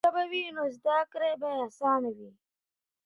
که مورنۍ ژبه وي، نو زده کړه به اسانه وي.